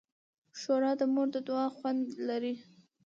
ښوروا د مور د دعا خوند لري.